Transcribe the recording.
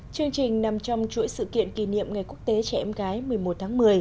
chương trình nằm trong chuỗi sự kiện kỷ niệm ngày quốc tế trẻ em gái một mươi một tháng một mươi